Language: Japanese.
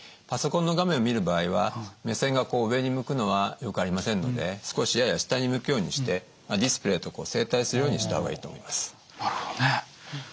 パソコンの画面を見る場合は目線がこう上に向くのはよくありませんので少しやや下に向くようにしてディスプレーと正対するようにした方がいいと思います。